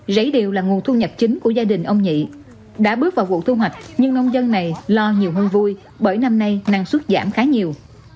rẫy điều là nguồn thu nhập chính của gia đình ông nhị đã bước vào vụ thu hoạch nhưng nông dân này lo nhiều hơn vui bởi năm nay năng suất giảm khá nhiều